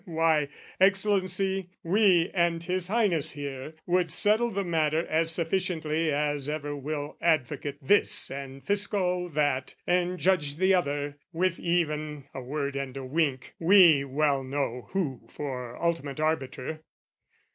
Why, Excellency, we and his Highness here Would settle the matter as sufficiently As ever will Advocate This and Fiscal That And Judge the Other, with even a word and a wink We well know who for ultimate arbiter.